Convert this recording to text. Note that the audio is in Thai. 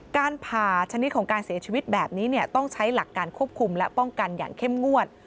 การผ่าชนิดของการเสียชีวิตแบบนี้ต้องใช้หลักการควบคุมและป้องกันอย่างเข้มงวด